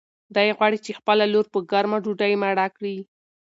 دی غواړي چې خپله لور په ګرمه ډوډۍ مړه کړي.